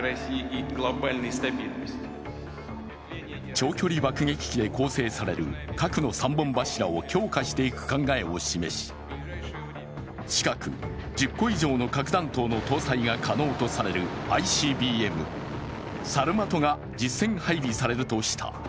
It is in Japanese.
長距離爆撃機で構成される核の３本柱を強化していく考えを示し近く、１０個以上の核弾頭の搭載が可能とされるＩＣＢＭ、サルマトが実戦配備されるとした。